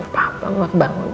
papa cuma kebangun